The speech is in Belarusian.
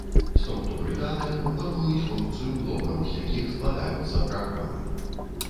Структуры даных выконваюць функцыю блокаў, з якіх складаюцца праграмы.